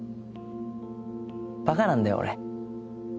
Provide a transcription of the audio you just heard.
ばかなんだよ俺。